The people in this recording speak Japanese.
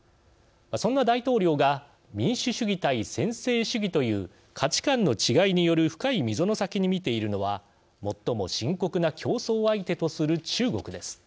そんな大統領が民主主義対専制主義という価値観の違いによる深い溝の先に見ているのは最も深刻な競争相手とする中国です。